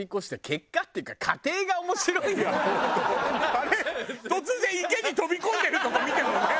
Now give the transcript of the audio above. あれ突然池に飛び込んでるとこ見てもね。